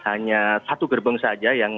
hanya satu gerbong saja yang